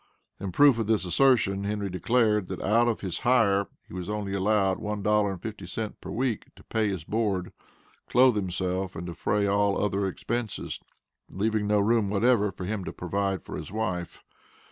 In proof of this assertion, Henry declared, that out of his hire he was only allowed $1.50 per week to pay his board, clothe himself, and defray all other expenses; leaving no room whatever for him to provide for his wife.